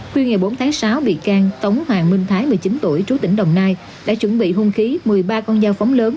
khuya ngày bốn tháng sáu bị can tống hoàng minh thái một mươi chín tuổi trú tỉnh đồng nai đã chuẩn bị hung khí một mươi ba con dao phóng lớn